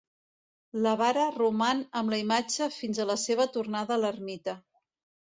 La vara roman amb la imatge fins a la seva tornada a l'ermita.